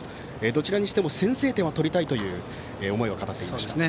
どちらにしても先制点は取りたいという思いを語っていました。